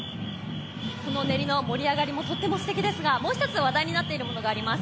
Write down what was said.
この練りの盛り上がりもとってもすてきですがもう一つ話題になっているものがあります。